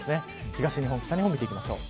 東日本、北日本を見ていきましょう。